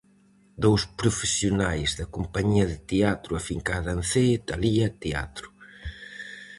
Dous profesionais da compañía de teatro afincada en Cee, Talía Teatro.